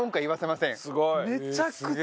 めちゃくちゃいい！